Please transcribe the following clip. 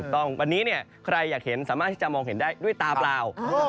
ต้องวันนี้เนี่ยใครอยากเห็นสามารถที่จะมองเห็นได้ด้วยตาเปล่า